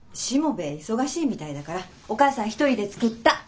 しもべえ忙しいみたいだからお母さん１人で作った。